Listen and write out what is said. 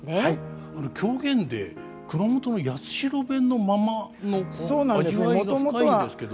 狂言で熊本の八代弁のままの味わいが深いんですけど。